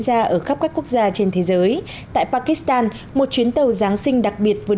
gia ở khắp các quốc gia trên thế giới tại pakistan một chuyến tàu giáng sinh đặc biệt vừa